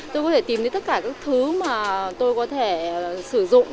tôi có thể tìm đến tất cả các thứ mà tôi có thể sử dụng